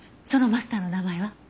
そのマスターの名前は？